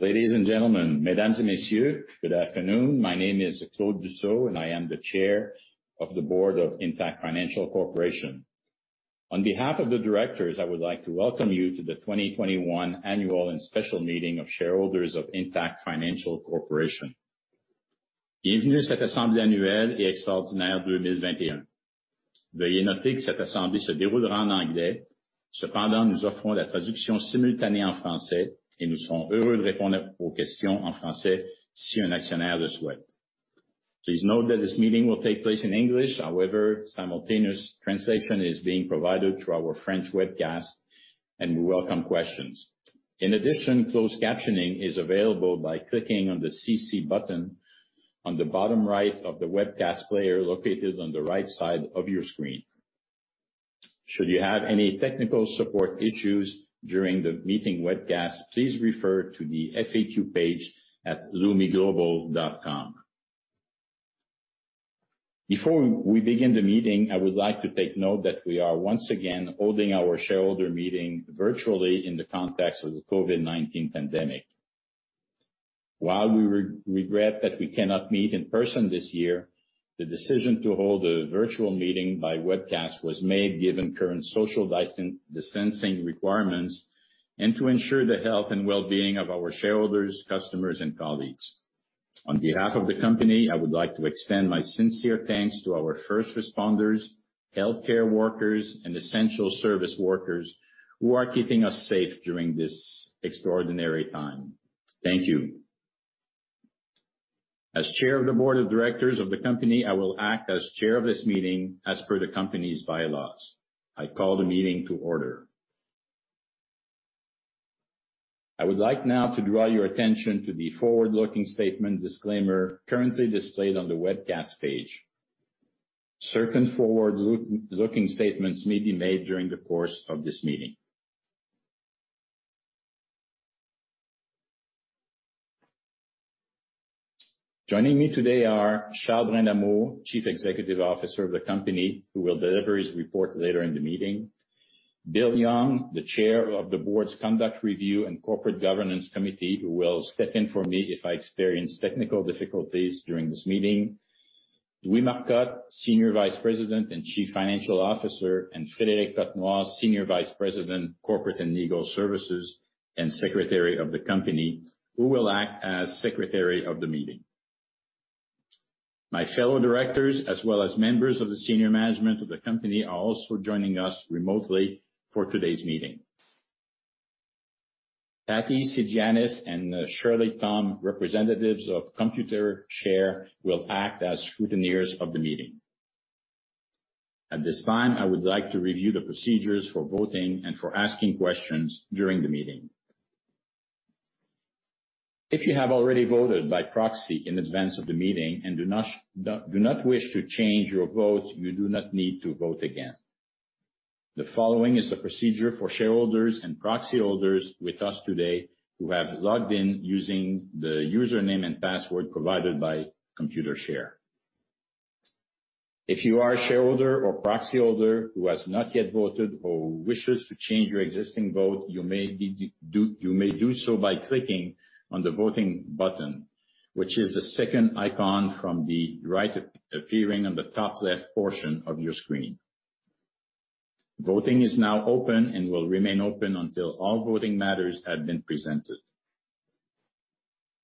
Ladies and gentlemen, mesdames et messieurs, good afternoon. My name is Claude Dussault, and I am the Chair of the Board of Intact Financial Corporation. On behalf of the directors, I would like to welcome you to the 2021 Annual and Special Meeting of Shareholders of Intact Financial Corporation. Bienvenue à cette assemblée annuelle et extraordinaire 2021. Veuillez noter que cette assemblée se déroulera en anglais. Cependant, nous offrons la traduction simultanée en français, et nous serons heureux de répondre à vos questions en français si un actionnaire le souhaite. Please note that this meeting will take place in English. However, simultaneous translation is being provided through our French webcast, and we welcome questions. In addition, closed captioning is available by clicking on the CC button on the bottom right of the webcast player located on the right side of your screen. Should you have any technical support issues during the meeting webcast, please refer to the FAQ page at lumiglobal.com. Before we begin the meeting, I would like to take note that we are once again holding our shareholder meeting virtually in the context of the COVID-19 pandemic. While we regret that we cannot meet in person this year, the decision to hold a virtual meeting by webcast was made given current social distancing requirements, and to ensure the health and well-being of our shareholders, customers, and colleagues. On behalf of the company, I would like to extend my sincere thanks to our first responders, healthcare workers, and essential service workers who are keeping us safe during this extraordinary time. Thank you. As chair of the board of directors of the company, I will act as chair of this meeting as per the company's bylaws. I call the meeting to order. I would like now to draw your attention to the forward-looking statement disclaimer currently displayed on the webcast page. Certain forward-looking statements may be made during the course of this meeting. Joining me today are Charles Brindamour, Chief Executive Officer of the company, who will deliver his report later in the meeting. Bill Young, the chair of the board's Conduct Review and Corporate Governance Committee, who will step in for me if I experience technical difficulties during this meeting. Louis Marcotte, Senior Vice President and Chief Financial Officer, and Frédéric Cotnoir, Senior Vice President, Corporate and Legal Services, and Secretary of the company, who will act as secretary of the meeting. My fellow directors, as well as members of the senior management of the company, are also joining us remotely for today's meeting. Patti Sajan and Shirley Tom, representatives of Computershare, will act as scrutineers of the meeting. At this time, I would like to review the procedures for voting and for asking questions during the meeting. If you have already voted by proxy in advance of the meeting and do not wish to change your vote, you do not need to vote again. The following is the procedure for shareholders and proxy holders with us today who have logged in using the username and password provided by Computershare. If you are a shareholder or proxy holder who has not yet voted or wishes to change your existing vote, you may do so by clicking on the Voting button, which is the second icon from the right, appearing on the top left portion of your screen. Voting is now open and will remain open until all voting matters have been presented.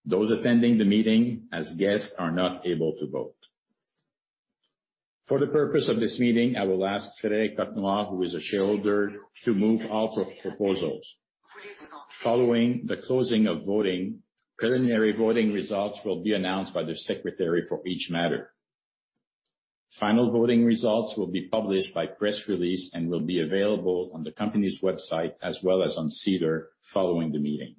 Those attending the meeting as guests are not able to vote. For the purpose of this meeting, I will ask Frédéric Cotnoir, who is a shareholder, to move all proposals. Following the closing of voting, preliminary voting results will be announced by the secretary for each matter. Final voting results will be published by press release and will be available on the company's website as well as on SEDAR following the meeting.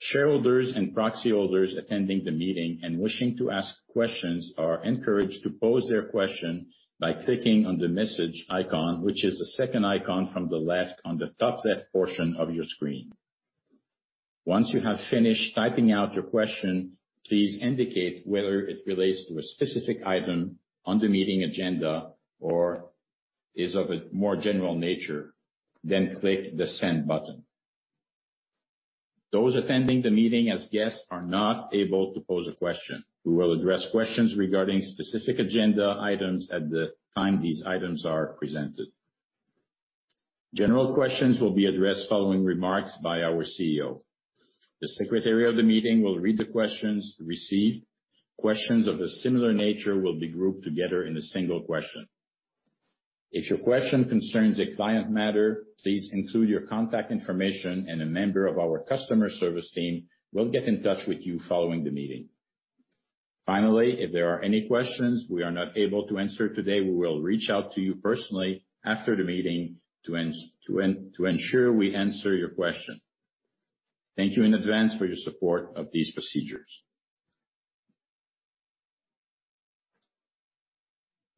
Shareholders and proxy holders attending the meeting and wishing to ask questions are encouraged to pose their question by clicking on the Message icon, which is the second icon from the left on the top left portion of your screen. Once you have finished typing out your question, please indicate whether it relates to a specific item on the meeting agenda or is of a more general nature, then click the Send button. Those attending the meeting as guests are not able to pose a question. We will address questions regarding specific agenda items at the time these items are presented. General questions will be addressed following remarks by our CEO. The secretary of the meeting will read the questions received. Questions of a similar nature will be grouped together in a single question. If your question concerns a client matter, please include your contact information, and a member of our customer service team will get in touch with you following the meeting. Finally, if there are any questions we are not able to answer today, we will reach out to you personally after the meeting to ensure we answer your question. Thank you in advance for your support of these procedures.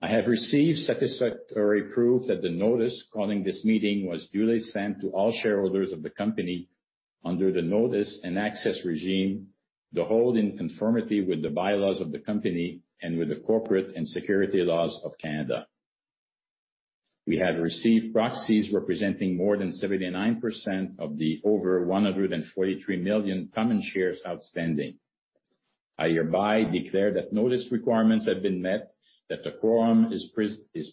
I have received satisfactory proof that the notice calling this meeting was duly sent to all shareholders of the company under the notice and access regime, held in conformity with the bylaws of the company and with the corporate and securities laws of Canada. We have received proxies representing more than 79% of the over 143 million common shares outstanding. I hereby declare that notice requirements have been met, that the quorum is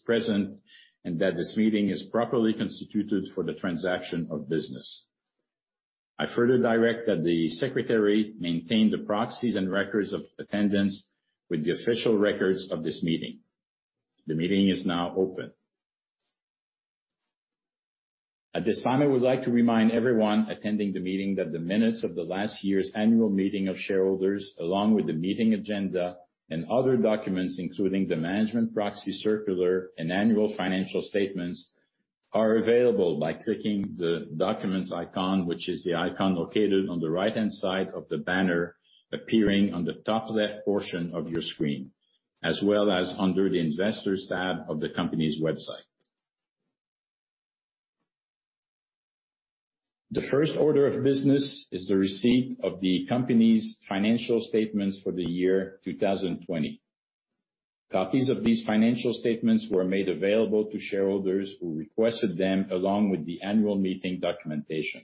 present, and that this meeting is properly constituted for the transaction of business. I further direct that the secretary maintain the proxies and records of attendance with the official records of this meeting. The meeting is now open. At this time, I would like to remind everyone attending the meeting that the minutes of the last year's annual meeting of shareholders, along with the meeting agenda and other documents, including the management proxy circular and annual financial statements, are available by clicking the Documents icon, which is the icon located on the right-hand side of the banner appearing on the top left portion of your screen, as well as under the Investors tab of the company's website. The first order of business is the receipt of the company's financial statements for the year 2020. Copies of these financial statements were made available to shareholders who requested them, along with the annual meeting documentation.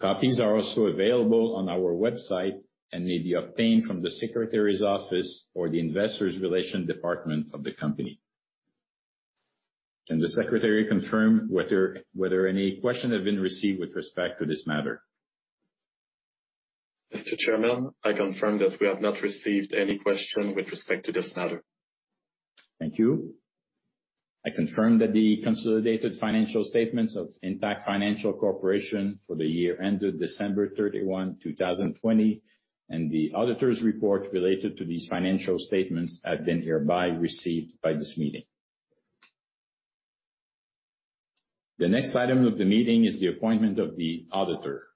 Copies are also available on our website and may be obtained from the secretary's office or the investor relations department of the company. Can the secretary confirm whether any questions have been received with respect to this matter? Mr. Chairman, I confirm that we have not received any question with respect to this matter. Thank you. I confirm that the consolidated financial statements of Intact Financial Corporation for the year ended December 31, 2020, and the auditor's report related to these financial statements have been hereby received by this meeting. The next item of the meeting is the appointment of the auditor.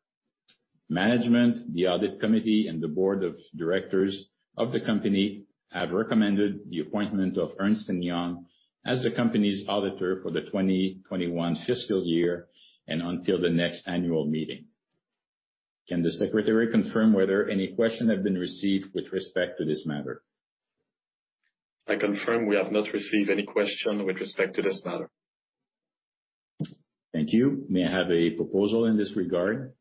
Management, the audit committee, and the board of directors of the company have recommended the appointment of Ernst & Young as the company's auditor for the 2021 fiscal year and until the next annual meeting. Can the secretary confirm whether any question have been received with respect to this matter? I confirm we have not received any question with respect to this matter. Thank you. May I have a proposal in this regard?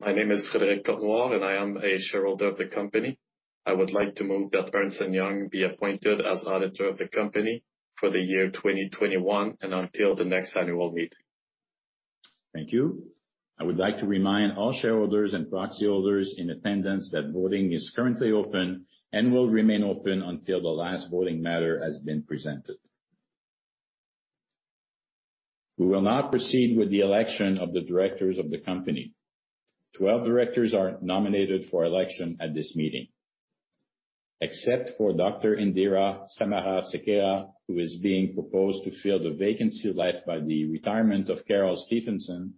My name is Frédéric Cotnoir, and I am a shareholder of the company. I would like to move that Ernst & Young be appointed as auditor of the company for the year 2021 and until the next annual meeting. Thank you. I would like to remind all shareholders and proxy holders in attendance that voting is currently open and will remain open until the last voting matter has been presented. We will now proceed with the election of the directors of the company. 12 directors are nominated for election at this meeting. Except for Dr. Indira Samarasekera, who is being proposed to fill the vacancy left by the retirement of Carole Stephenson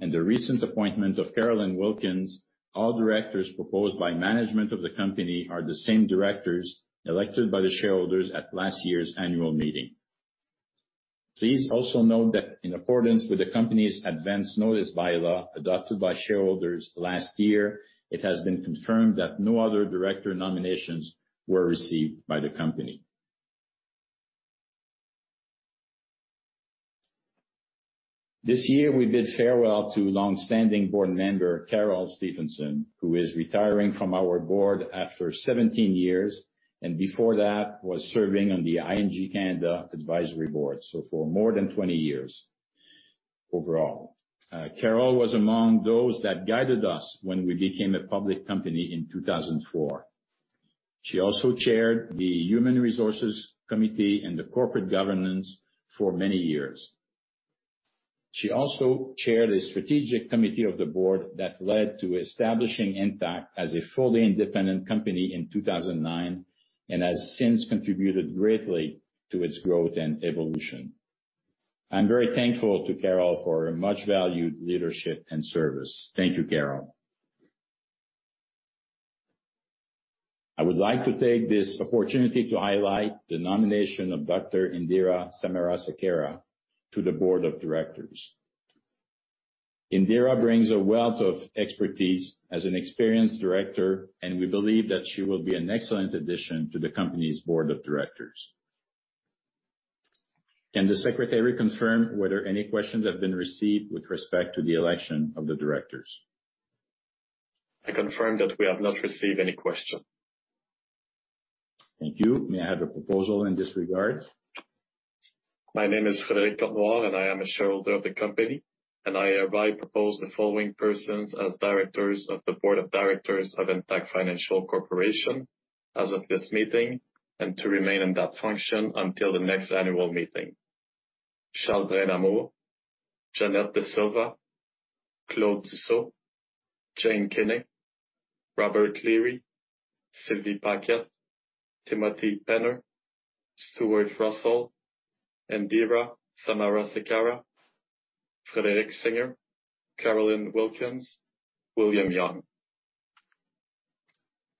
and the recent appointment of Carolyn Wilkins, all directors proposed by management of the company are the same directors elected by the shareholders at last year's annual meeting. Please also note that in accordance with the company's advance notice by-law, adopted by shareholders last year, it has been confirmed that no other director nominations were received by the company. This year, we bid farewell to longstanding board member, Carole Stephenson, who is retiring from our board after 17 years, and before that, was serving on the ING Canada Advisory Board, so for more than 20 years overall. Carole was among those that guided us when we became a public company in 2004. She also chaired the Human Resources Committee and the Corporate Governance for many years. She also chaired a strategic committee of the board that led to establishing Intact as a fully independent company in 2009, and has since contributed greatly to its growth and evolution. I'm very thankful to Carole for her much valued leadership and service. Thank you, Carole. I would like to take this opportunity to highlight the nomination of Dr. Indira Samarasekera to the board of directors. Indira brings a wealth of expertise as an experienced director, and we believe that she will be an excellent addition to the company's board of directors. Can the secretary confirm whether any questions have been received with respect to the election of the directors? I confirm that we have not received any question. Thank you. May I have a proposal in this regard? My name is Frédéric Cotnoir, and I am a shareholder of the company, and I hereby propose the following persons as directors of the board of directors of Intact Financial Corporation as of this meeting, and to remain in that function until the next annual meeting: Charles Brindamour, Janet De Silva, Claude Dussault, Jane Kinney, Robert Leary, Sylvie Paquette, Timothy Penner, Stuart Russell, Indira Samarasekera, Frederick Singer, Carolyn Wilkins, William Young.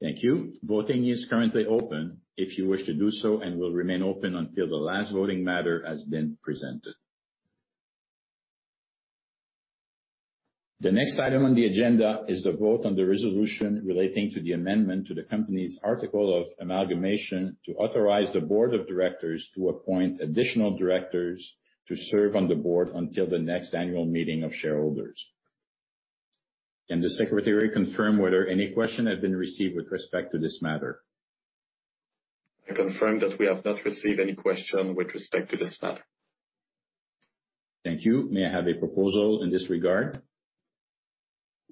Thank you. Voting is currently open, if you wish to do so, and will remain open until the last voting matter has been presented. The next item on the agenda is the vote on the resolution relating to the amendment to the company's Articles of Amalgamation to authorize the board of directors to appoint additional directors to serve on the board until the next annual meeting of shareholders. Can the secretary confirm whether any question had been received with respect to this matter? I confirm that we have not received any question with respect to this matter. Thank you. May I have a proposal in this regard?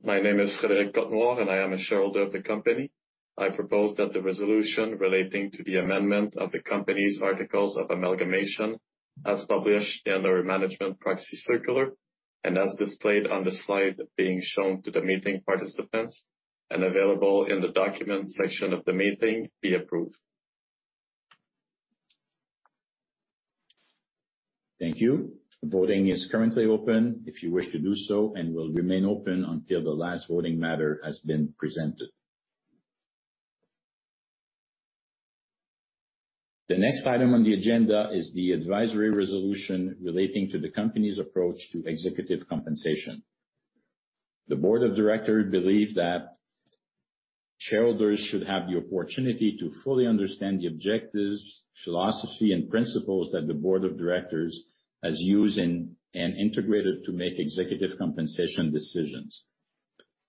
My name is Frédéric Cotnoir, and I am a shareholder of the company. I propose that the resolution relating to the amendment of the company's articles of amalgamation, as published in our management proxy circular, and as displayed on the slide being shown to the meeting participants, and available in the documents section of the meeting, be approved. Thank you. Voting is currently open, if you wish to do so, and will remain open until the last voting matter has been presented. The next item on the agenda is the advisory resolution relating to the company's approach to executive compensation. The board of directors believe that shareholders should have the opportunity to fully understand the objectives, philosophy, and principles that the board of directors has used and integrated to make executive compensation decisions.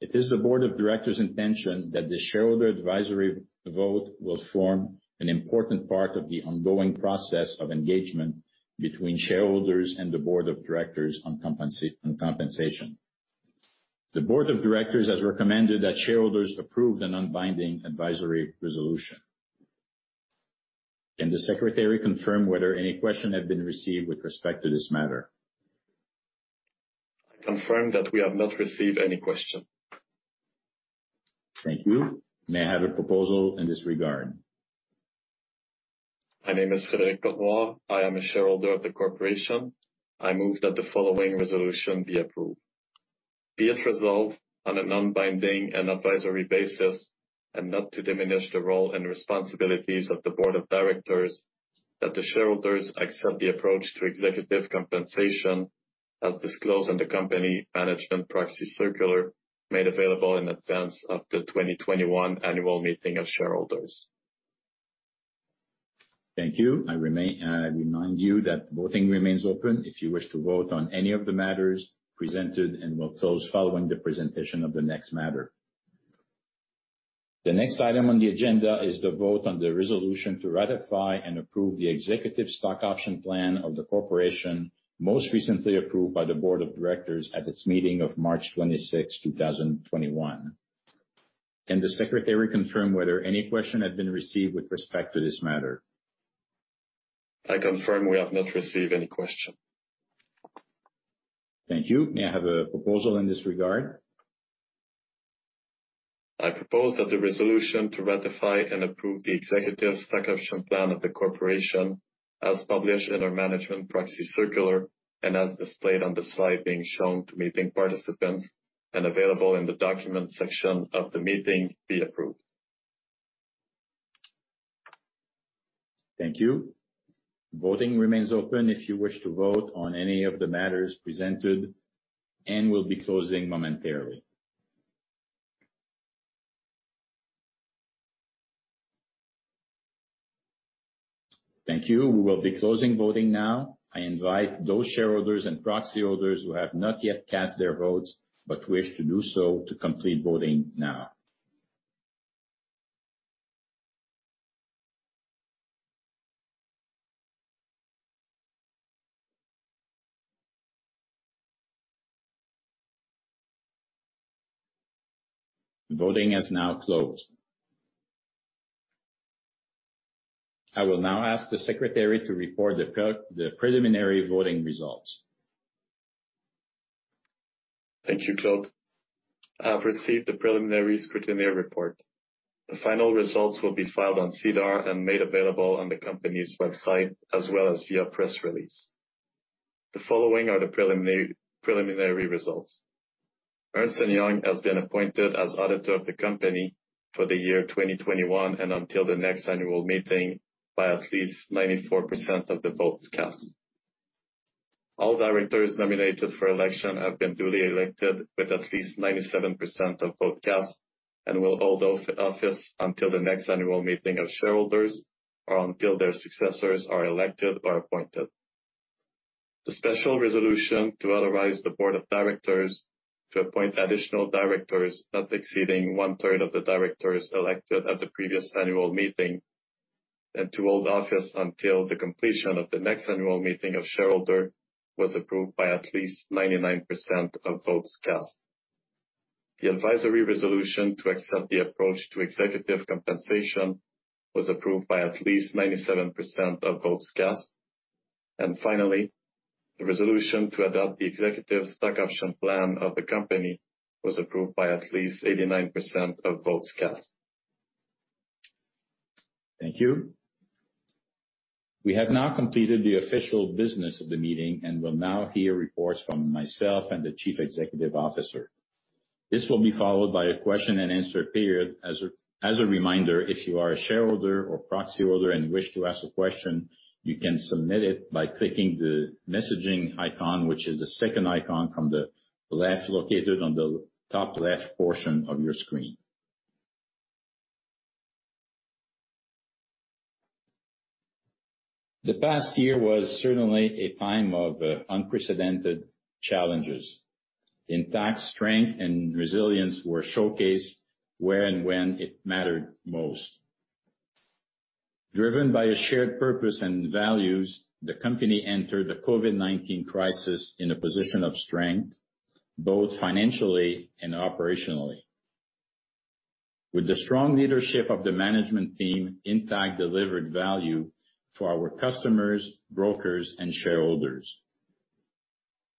It is the board of directors' intention that the shareholder advisory vote will form an important part of the ongoing process of engagement between shareholders and the board of directors on compensation. The board of directors has recommended that shareholders approve the non-binding advisory resolution. Can the secretary confirm whether any question had been received with respect to this matter? I confirm that we have not received any question. Thank you. May I have a proposal in this regard? My name is Frédéric Cotnoir. I am a shareholder of the corporation. I move that the following resolution be approved. Be it resolved on a non-binding and advisory basis, and not to diminish the role and responsibilities of the board of directors, that the shareholders accept the approach to executive compensation as disclosed in the company management proxy circular, made available in advance of the 2021 annual meeting of shareholders. Thank you. I remain, remind you that voting remains open if you wish to vote on any of the matters presented, and will close following the presentation of the next matter. The next item on the agenda is the vote on the resolution to ratify and approve the executive stock option plan of the corporation, most recently approved by the board of directors at its meeting of March 26, 2021. Can the secretary confirm whether any question had been received with respect to this matter? I confirm we have not received any question. Thank you. May I have a proposal in this regard? I propose that the resolution to ratify and approve the executive stock option plan of the corporation, as published in our management proxy circular, and as displayed on the slide being shown to meeting participants, and available in the documents section of the meeting, be approved. Thank you. Voting remains open if you wish to vote on any of the matters presented, and will be closing momentarily. Thank you. We will be closing voting now. I invite those shareholders and proxy holders who have not yet cast their votes, but wish to do so, to complete voting now. Voting has now closed. I will now ask the secretary to report the preliminary voting results. Thank you, Claude. I have received the preliminary scrutiny report. The final results will be filed on SEDAR and made available on the company's website, as well as via press release. The following are the preliminary results: Ernst & Young has been appointed as auditor of the company for the year 2021, and until the next annual meeting, by at least 94% of the votes cast. All directors nominated for election have been duly elected with at least 97% of votes cast, and will hold office until the next annual meeting of shareholders, or until their successors are elected or appointed. The special resolution to authorize the board of directors to appoint additional directors, not exceeding one-third of the directors elected at the previous annual meeting, and to hold office until the completion of the next annual meeting of shareholder, was approved by at least 99% of votes cast. The advisory resolution to accept the approach to executive compensation was approved by at least 97% of votes cast. And finally, the resolution to adopt the executive stock option plan of the company was approved by at least 89% of votes cast. Thank you. We have now completed the official business of the meeting, and will now hear reports from myself and the Chief Executive Officer. This will be followed by a question and answer period. As a reminder, if you are a shareholder or proxy holder and wish to ask a question, you can submit it by clicking the messaging icon, which is the second icon from the left, located on the top left portion of your screen. The past year was certainly a time of unprecedented challenges. Intact's strength and resilience were showcased where and when it mattered most. Driven by a shared purpose and values, the company entered the COVID-19 crisis in a position of strength, both financially and operationally. With the strong leadership of the management team, Intact delivered value for our customers, brokers, and shareholders.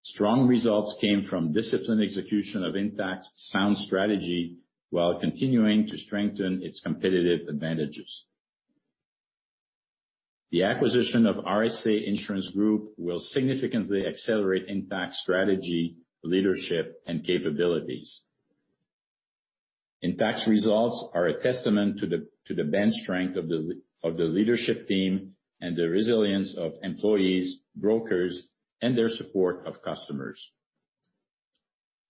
Strong results came from disciplined execution of Intact's sound strategy, while continuing to strengthen its competitive advantages. The acquisition of RSA Insurance Group will significantly accelerate Intact's strategy, leadership, and capabilities. Intact's results are a testament to the bench strength of the leadership team and the resilience of employees, brokers, and their support of customers.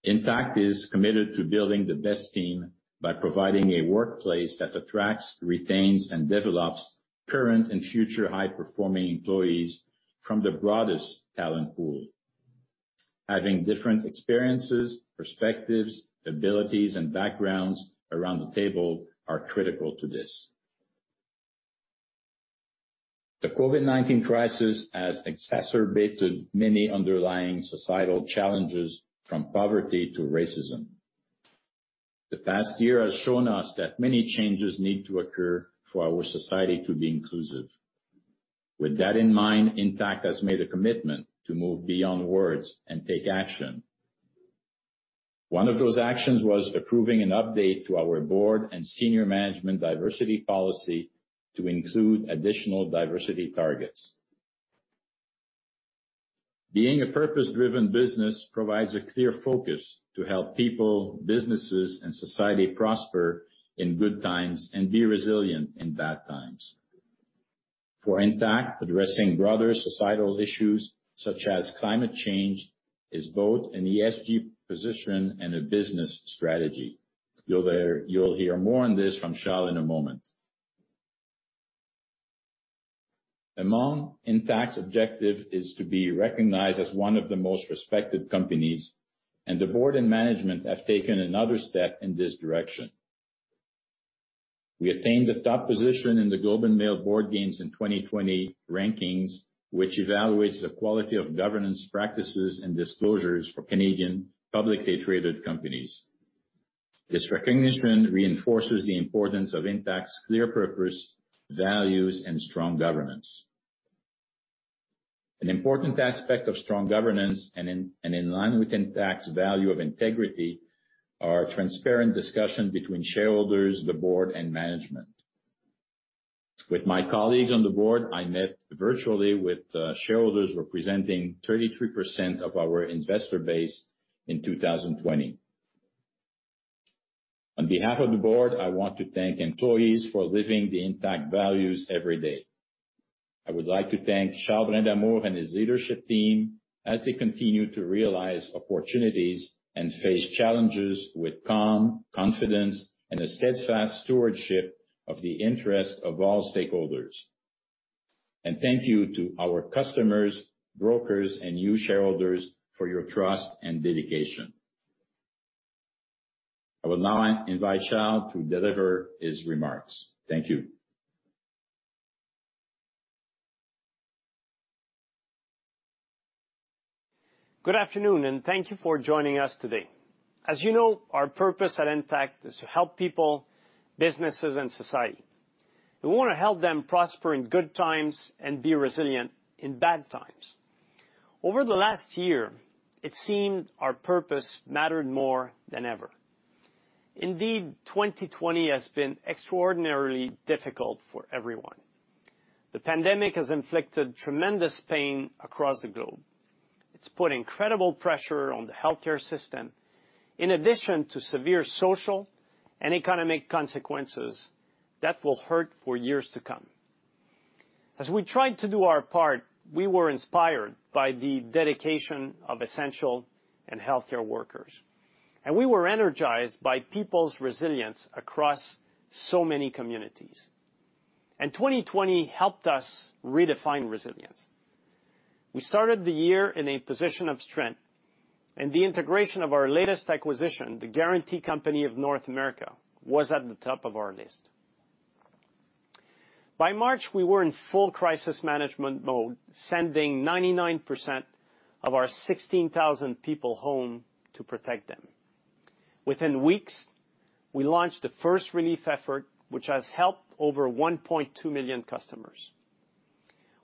Intact is committed to building the best team by providing a workplace that attracts, retains, and develops current and future high-performing employees from the broadest talent pool. Having different experiences, perspectives, abilities, and backgrounds around the table are critical to this. The COVID-19 crisis has exacerbated many underlying societal challenges, from poverty to racism. The past year has shown us that many changes need to occur for our society to be inclusive. With that in mind, Intact has made a commitment to move beyond words and take action. One of those actions was approving an update to our board and senior management diversity policy to include additional diversity targets. Being a purpose-driven business provides a clear focus to help people, businesses, and society prosper in good times and be resilient in bad times. For Intact, addressing broader societal issues, such as climate change, is both an ESG position and a business strategy. You'll hear more on this from Charles in a moment. Among Intact's objective is to be recognized as one of the most respected companies, and the board and management have taken another step in this direction. We attained the top position in the Globe and Mail Board Games in 2020 rankings, which evaluates the quality of governance practices and disclosures for Canadian publicly traded companies. This recognition reinforces the importance of Intact's clear purpose, values, and strong governance. An important aspect of strong governance, and in line with Intact's value of integrity, are transparent discussion between shareholders, the board, and management. With my colleagues on the board, I met virtually with shareholders representing 33% of our investor base in 2020. On behalf of the board, I want to thank employees for living the Intact values every day. I would like to thank Charles Brindamour and his leadership team as they continue to realize opportunities and face challenges with calm, confidence, and a steadfast stewardship of the interest of all stakeholders. And thank you to our customers, brokers, and you, shareholders, for your trust and dedication. I will now invite Charles to deliver his remarks. Thank you. Good afternoon, and thank you for joining us today. As you know, our purpose at Intact is to help people, businesses, and society. We want to help them prosper in good times and be resilient in bad times. Over the last year, it seemed our purpose mattered more than ever. Indeed, 2020 has been extraordinarily difficult for everyone. The pandemic has inflicted tremendous pain across the globe. It's put incredible pressure on the healthcare system, in addition to severe social and economic consequences that will hurt for years to come. As we tried to do our part, we were inspired by the dedication of essential and healthcare workers, and we were energized by people's resilience across so many communities. 2020 helped us redefine resilience. We started the year in a position of strength, and the integration of our latest acquisition, The Guarantee Company of North America, was at the top of our list. By March, we were in full crisis management mode, sending 99% of our 16,000 people home to protect them. Within weeks, we launched the first relief effort, which has helped over 1.2 million customers.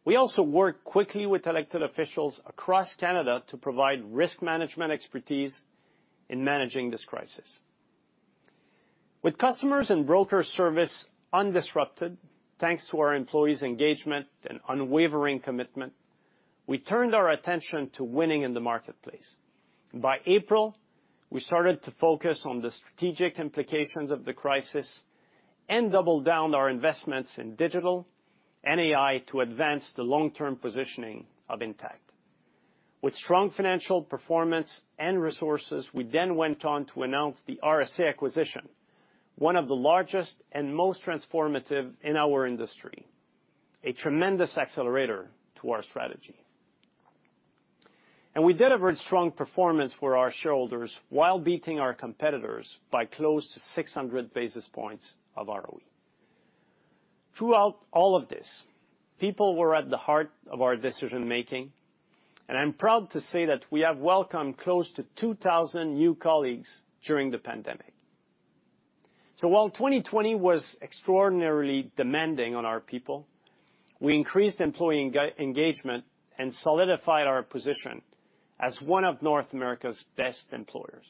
We also worked quickly with elected officials across Canada to provide risk management expertise in managing this crisis. With customers and broker service undisrupted, thanks to our employees' engagement and unwavering commitment, we turned our attention to winning in the marketplace. By April, we started to focus on the strategic implications of the crisis and doubled down our investments in digital and AI to advance the long-term positioning of Intact. With strong financial performance and resources, we then went on to announce the RSA acquisition, one of the largest and most transformative in our industry, a tremendous accelerator to our strategy. And we delivered strong performance for our shareholders while beating our competitors by close to 600 basis points of ROE. Throughout all of this, people were at the heart of our decision making, and I'm proud to say that we have welcomed close to 2,000 new colleagues during the pandemic. So while 2020 was extraordinarily demanding on our people, we increased employee engagement and solidified our position as one of North America's best employers.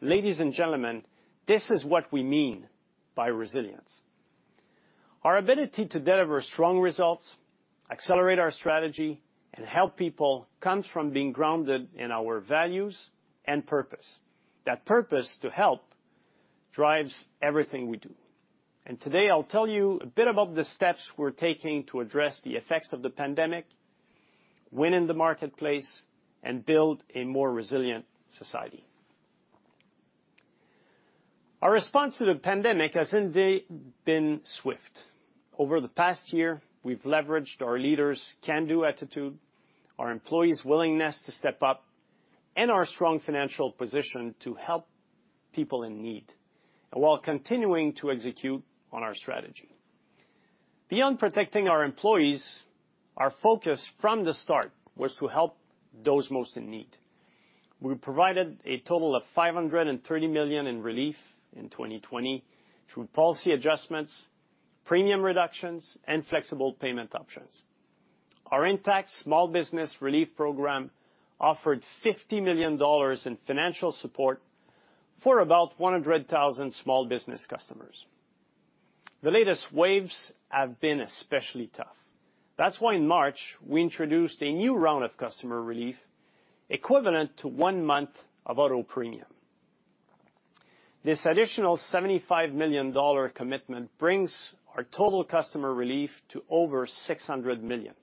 Ladies and gentlemen, this is what we mean by resilience. Our ability to deliver strong results, accelerate our strategy, and help people comes from being grounded in our values and purpose. That purpose to help drives everything we do. Today, I'll tell you a bit about the steps we're taking to address the effects of the pandemic, win in the marketplace, and build a more resilient society. Our response to the pandemic has indeed been swift. Over the past year, we've leveraged our leaders' can-do attitude, our employees' willingness to step up, and our strong financial position to help people in need, and while continuing to execute on our strategy. Beyond protecting our employees, our focus from the start was to help those most in need. We provided a total of 530 million in relief in 2020, through policy adjustments, premium reductions, and flexible payment options. Our Intact Small Business Relief Program offered 50 million dollars in financial support for about 100,000 small business customers. The latest waves have been especially tough. That's why in March, we introduced a new round of customer relief equivalent to one month of auto premium. This additional 75 million dollar commitment brings our total customer relief to over 600 million.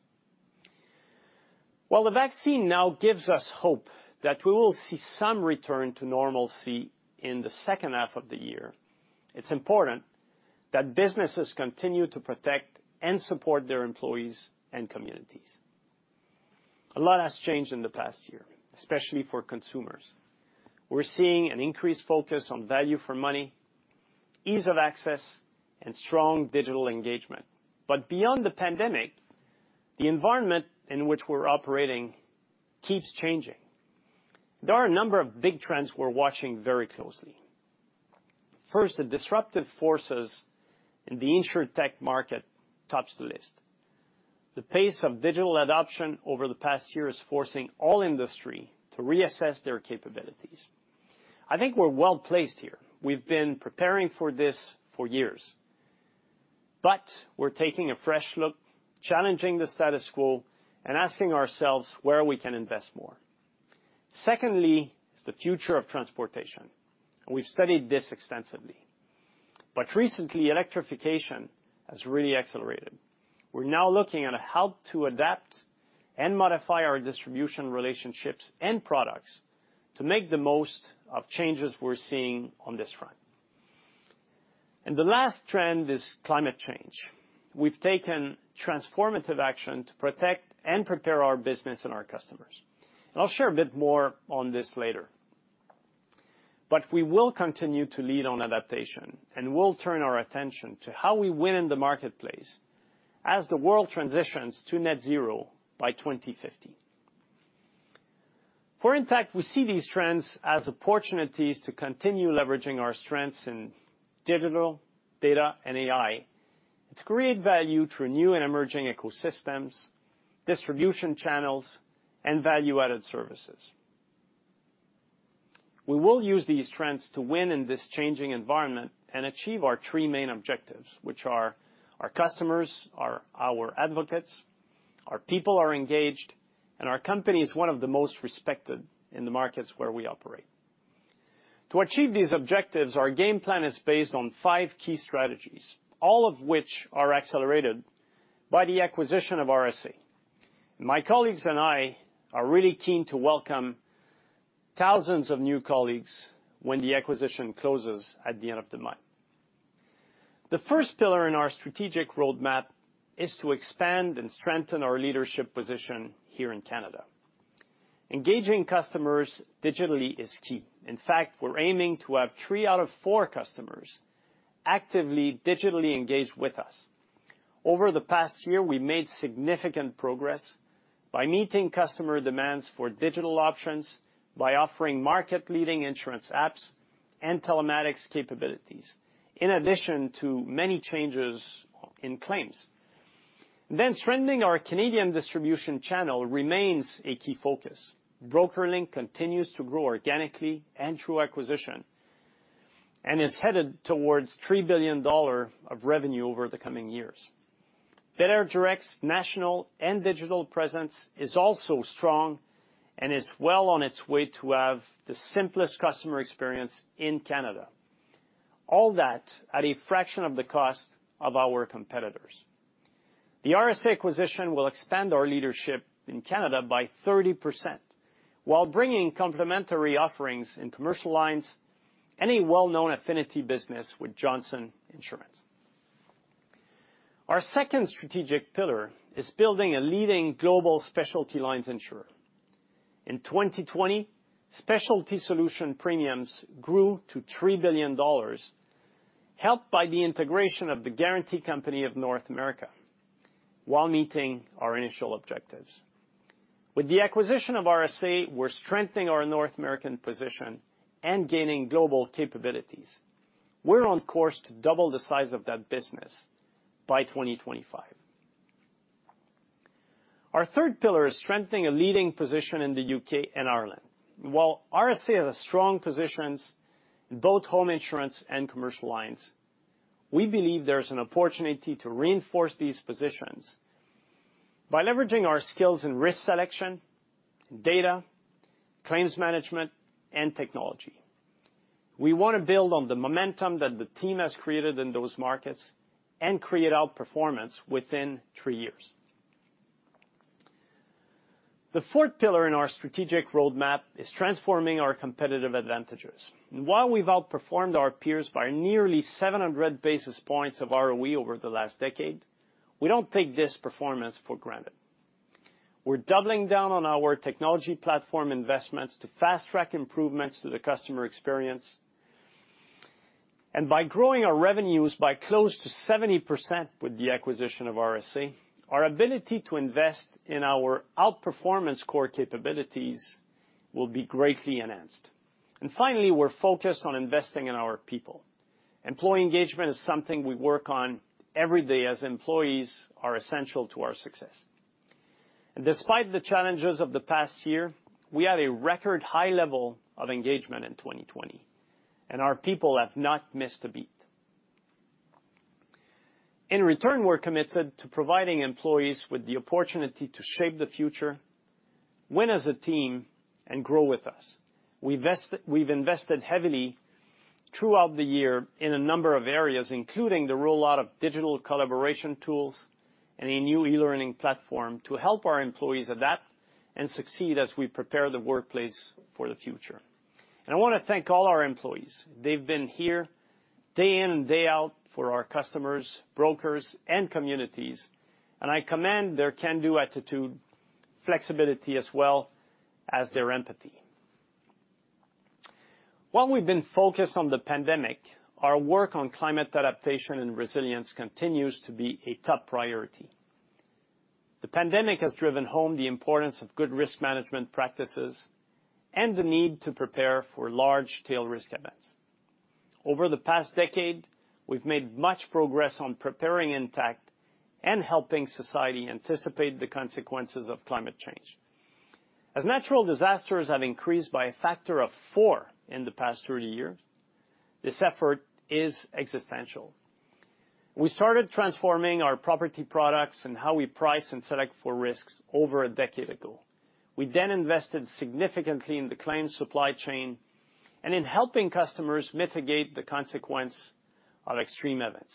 While the vaccine now gives us hope that we will see some return to normalcy in the second half of the year, it's important that businesses continue to protect and support their employees and communities. A lot has changed in the past year, especially for consumers. We're seeing an increased focus on value for money, ease of access, and strong digital engagement. But beyond the pandemic, the environment in which we're operating keeps changing. There are a number of big trends we're watching very closely. First, the disruptive forces in the insurtech market tops the list. The pace of digital adoption over the past year is forcing all industry to reassess their capabilities. I think we're well-placed here. We've been preparing for this for years, but we're taking a fresh look, challenging the status quo, and asking ourselves where we can invest more. Secondly, is the future of transportation, and we've studied this extensively. Recently, electrification has really accelerated. We're now looking at how to adapt and modify our distribution, relationships, and products to make the most of changes we're seeing on this front. The last trend is climate change. We've taken transformative action to protect and prepare our business and our customers, and I'll share a bit more on this later. We will continue to lead on adaptation, and we'll turn our attention to how we win in the marketplace as the world transitions to net zero by 2050. For Intact, we see these trends as opportunities to continue leveraging our strengths in digital, data, and AI, to create value through new and emerging ecosystems, distribution channels, and value-added services. We will use these trends to win in this changing environment and achieve our three main objectives, which are our customers are our advocates, our people are engaged, and our company is one of the most respected in the markets where we operate. To achieve these objectives, our game plan is based on five key strategies, all of which are accelerated by the acquisition of RSA. My colleagues and I are really keen to welcome thousands of new colleagues when the acquisition closes at the end of the month. The first pillar in our strategic roadmap is to expand and strengthen our leadership position here in Canada. Engaging customers digitally is key. In fact, we're aiming to have three out of four customers actively, digitally engaged with us. Over the past year, we made significant progress by meeting customer demands for digital options, by offering market-leading insurance apps and telematics capabilities, in addition to many changes in claims. Then strengthening our Canadian distribution channel remains a key focus. BrokerLink continues to grow organically and through acquisition, and is headed towards 3 billion dollar of revenue over the coming years. belairdirect's national and digital presence is also strong and is well on its way to have the simplest customer experience in Canada, all that at a fraction of the cost of our competitors. The RSA acquisition will expand our leadership in Canada by 30%, while bringing complementary offerings in commercial lines and a well-known affinity business with Johnson Insurance. Our second strategic pillar is building a leading global specialty lines insurer. In 2020, specialty solution premiums grew to 3 billion dollars, helped by the integration of the Guarantee Company of North America, while meeting our initial objectives. With the acquisition of RSA, we're strengthening our North American position and gaining global capabilities. We're on course to double the size of that business by 2025. Our third pillar is strengthening a leading position in the U.K. and Ireland. While RSA has strong positions in both home insurance and commercial lines, we believe there's an opportunity to reinforce these positions by leveraging our skills in risk selection, data, claims management, and technology. We want to build on the momentum that the team has created in those markets and create outperformance within three years. The fourth pillar in our strategic roadmap is transforming our competitive advantages. While we've outperformed our peers by nearly 700 basis points of ROE over the last decade, we don't take this performance for granted. We're doubling down on our technology platform investments to fast-track improvements to the customer experience, and by growing our revenues by close to 70% with the acquisition of RSA, our ability to invest in our outperformance core capabilities will be greatly enhanced. Finally, we're focused on investing in our people. Employee engagement is something we work on every day, as employees are essential to our success. Despite the challenges of the past year, we had a record high level of engagement in 2020, and our people have not missed a beat. In return, we're committed to providing employees with the opportunity to shape the future, win as a team, and grow with us. We've invested heavily throughout the year in a number of areas, including the roll out of digital collaboration tools and a new e-learning platform to help our employees adapt and succeed as we prepare the workplace for the future. And I want to thank all our employees. They've been here day in and day out for our customers, brokers, and communities, and I commend their can-do attitude, flexibility, as well as their empathy. While we've been focused on the pandemic, our work on climate adaptation and resilience continues to be a top priority. The pandemic has driven home the importance of good risk management practices and the need to prepare for large tail risk events. Over the past decade, we've made much progress on preparing Intact and helping society anticipate the consequences of climate change. As natural disasters have increased by a factor of four in the past 30 years, this effort is existential. We started transforming our property products and how we price and select for risks over a decade ago. We then invested significantly in the claims supply chain and in helping customers mitigate the consequence of extreme events.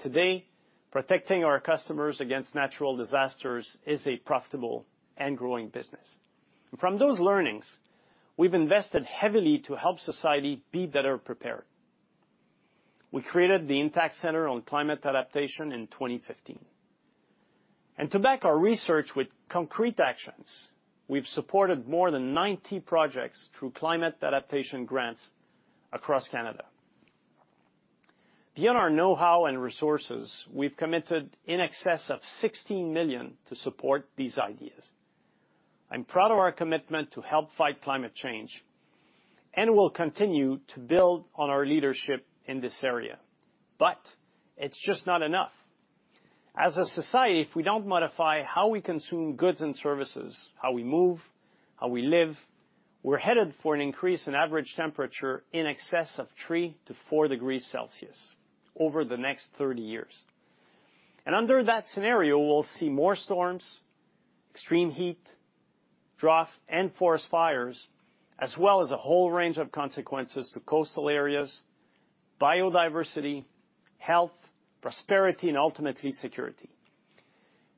Today, protecting our customers against natural disasters is a profitable and growing business. From those learnings, we've invested heavily to help society be better prepared. We created the Intact Centre on Climate Adaptation in 2015, and to back our research with concrete actions, we've supported more than 90 projects through climate adaptation grants across Canada. Beyond our know-how and resources, we've committed in excess of 16 million to support these ideas. I'm proud of our commitment to help fight climate change, and we'll continue to build on our leadership in this area, but it's just not enough. As a society, if we don't modify how we consume goods and services, how we move, how we live, we're headed for an increase in average temperature in excess of 3-4 degrees Celsius over the next 30 years. Under that scenario, we'll see more storms, extreme heat, drought, and forest fires, as well as a whole range of consequences to coastal areas, biodiversity, health, prosperity, and ultimately, security.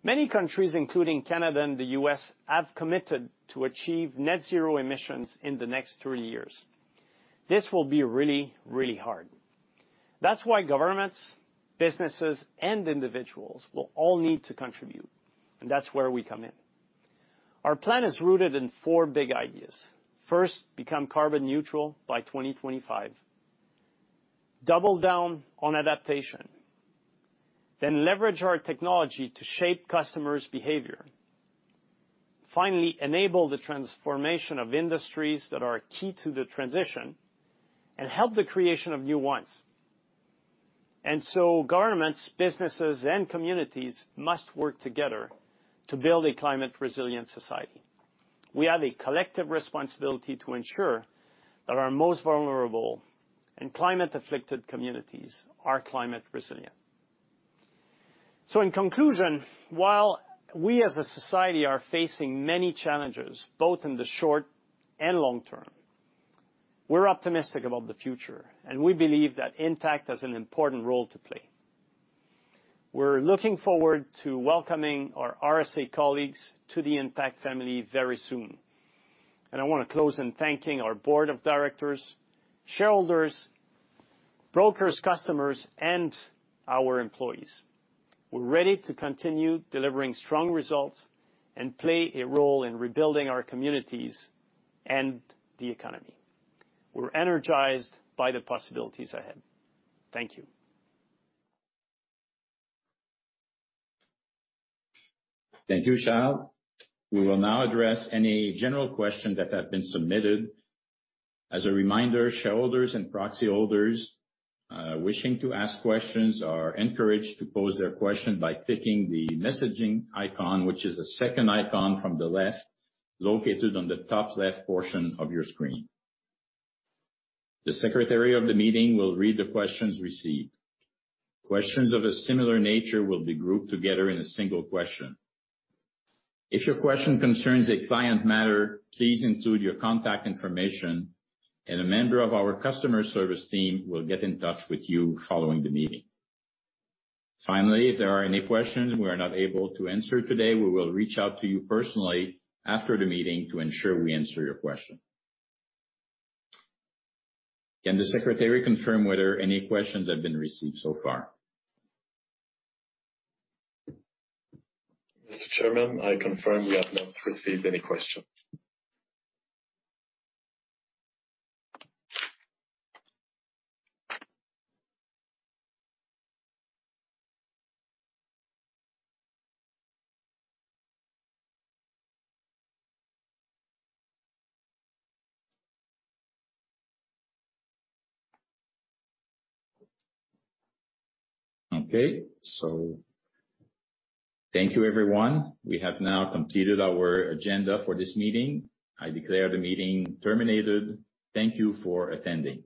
Many countries, including Canada and the U.S., have committed to achieve net zero emissions in the next 30 years. This will be really, really hard. That's why governments, businesses, and individuals will all need to contribute, and that's where we come in. Our plan is rooted in 4 big ideas. First, become carbon neutral by 2025. Double down on adaptation, then leverage our technology to shape customers' behavior. Finally, enable the transformation of industries that are key to the transition, and help the creation of new ones. And so governments, businesses, and communities must work together to build a climate-resilient society. We have a collective responsibility to ensure that our most vulnerable and climate-afflicted communities are climate resilient. So in conclusion, while we as a society are facing many challenges, both in the short and long term, we're optimistic about the future, and we believe that Intact has an important role to play. We're looking forward to welcoming our RSA colleagues to the Intact family very soon. And I wanna close in thanking our board of directors, shareholders, brokers, customers, and our employees. We're ready to continue delivering strong results and play a role in rebuilding our communities and the economy. We're energized by the possibilities ahead. Thank you. Thank you, Charles. We will now address any general questions that have been submitted. As a reminder, shareholders and proxy holders wishing to ask questions are encouraged to pose their question by clicking the messaging icon, which is the second icon from the left, located on the top left portion of your screen. The secretary of the meeting will read the questions received. Questions of a similar nature will be grouped together in a single question. If your question concerns a client matter, please include your contact information, and a member of our customer service team will get in touch with you following the meeting. Finally, if there are any questions we're not able to answer today, we will reach out to you personally after the meeting to ensure we answer your question. Can the secretary confirm whether any questions have been received so far? Mr. Chairman, I confirm we have not received any questions. Okay, thank you, everyone. We have now completed our agenda for this meeting. I declare the meeting terminated. Thank you for attending.